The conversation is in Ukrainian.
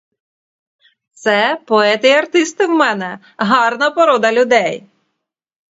Це поети й артисти в мене, — гарна порода людей.